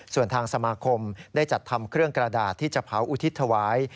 ส่วนทางสมาคมได้จัดทำเครื่องกระดาษที่จะเผาอุทิศถวาย